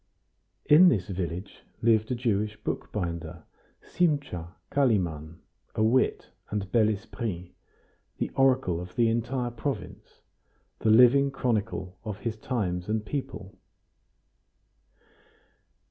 In this village lived a Jewish bookbinder, Simcha Kalimann, a wit and bel esprit, the oracle of the entire province, the living chronicle of his times and people.